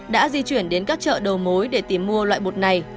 đã di chuyển đến các chợ đầu mối để tìm mua loại bột này